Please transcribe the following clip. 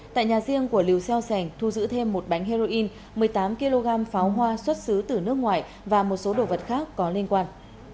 tại nhà riêng của lưu seo sành thu giữ thêm một bánh heroin một mươi tám kg pháo hoa xuất xứ từ nước ngoài và một số đồ vật khác có liên quan